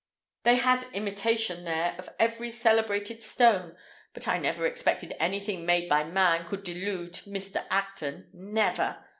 They had imitation there of every celebrated stone; but I never expected anything made by man could delude Mr. Acton, never!"